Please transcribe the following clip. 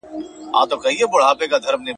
خاموشي بدله ښکاري.